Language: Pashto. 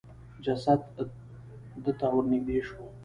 جسد د ته ورنېږدې شو.